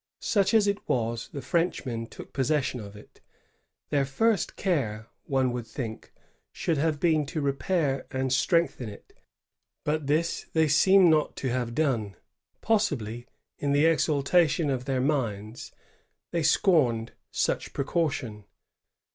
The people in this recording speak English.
Such as it was, the Frenchmen took possession of it. Their first care, one would think, should have been to repair and strengthen it; but this they seem not to have done, — possibly, in the exaltation of their minds, they scorned such precaution.